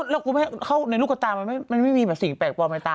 แล้วมันเข้าในลูกตามันไม่มีสิ่งแปลกปลอมไหมต่าง